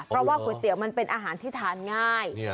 เพราะว่าก๋วยเตี๋ยวมันเป็นอาหารที่ทานง่าย